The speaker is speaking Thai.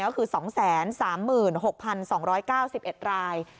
ก็คือ๒๓๖๒๙๑ราย